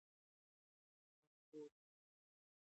موږ ټول سولې ته اړتیا لرو.